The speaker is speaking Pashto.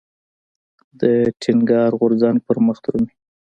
د ټينګار غورځنګ پرمخ درومي.